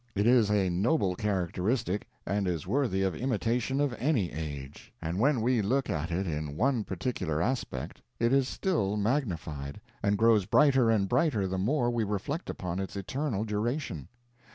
It is a noble characteristic and is worthy of imitation of any age. And when we look at it in one particular aspect, it is still magnified, and grows brighter and brighter the more we reflect upon its eternal duration.